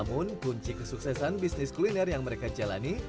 namun kunci kesuksesan bisnis kuliner yang mereka jalani